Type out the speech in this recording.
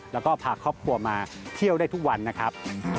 แล้วก็พาครอบครัวมาเที่ยวได้ทุกวันนะครับ